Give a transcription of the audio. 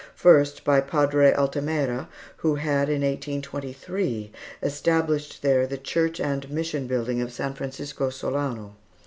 First by Padre Altemera, who had, in 1823, established there the church and mission building of San Francisco Solano.